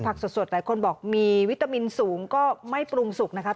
สดหลายคนบอกมีวิตามินสูงก็ไม่ปรุงสุกนะคะ